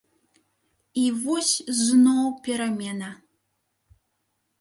І вось зноў перамена.